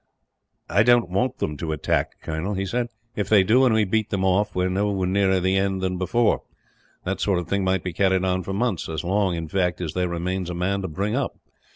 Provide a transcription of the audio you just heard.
"I don't want them to attack, Colonel," he said. "If they do, and we beat them off, we are no nearer the end than before. That sort of thing might be carried on for months; as long, in fact, as there remains a man to bring up.